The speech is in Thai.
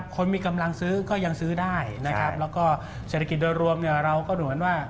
คนมีกำลังซื้อก็ยังซื้อได้นะครับแล้วก็เศรษฐกิจโดยรวมเนี่ยเราก็เหมือนว่า